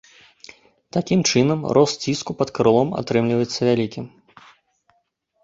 Такім чынам, рост ціску пад крылом атрымліваецца вялікім.